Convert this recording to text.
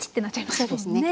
そうですね。